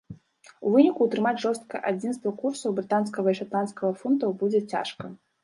У выніку ўтрымаць жорсткае адзінства курсаў брытанскага і шатландскага фунтаў будзе цяжка.